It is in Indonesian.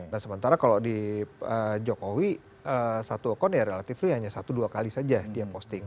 nah sementara kalau di jokowi satu akun ya relatif hanya satu dua kali saja dia posting